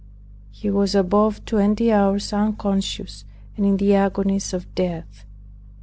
He was above twenty hours unconscious and in the agonies of his death.